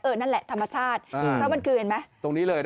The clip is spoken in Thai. เออนั่นแหละธรรมชาติเพราะมันคือเห็นไหม